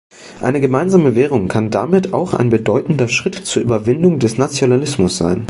Eine gemeinsame Währung kann damit auch ein bedeutender Schritt zur Überwindung des Nationalismus sein.